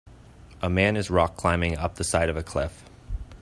A man is rockclimbing up the side of a cliff.